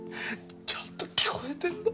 ちゃんと聞こえてるんだ。